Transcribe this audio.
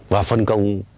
và phân công